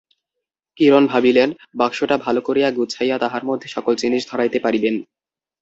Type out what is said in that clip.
কিরণ ভাবিলেন, বাক্সটি ভালো করিয়া গুছাইয়া তাহার মধ্যে সকল জিনিস ধরাইতে পারিবেন।